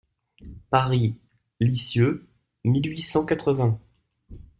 (Paris, Liseux, mille huit cent quatre-vingts.